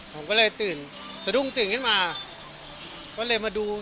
ผมก็เลยตื่นเสดงตื่นมาก็เลยมาดูนี่น่ะ